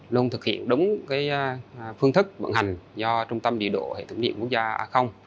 luôn thực hiện đúng phương thức vận hành do trung tâm điều độ hệ thống điện quốc gia a